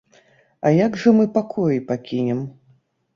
А як жа мы пакоі пакінем?